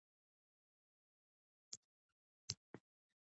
په اخترونو کې د یو بل پوښتنه وکړئ.